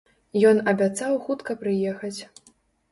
Ён абяцаў хутка прыехаць.